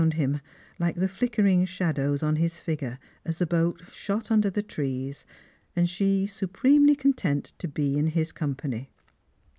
d him, like the flickering shadows on his figure as the boat shot under the trees, and she supremely content to be in his company.